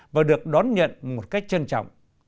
và được đón nhận một cách trân trọng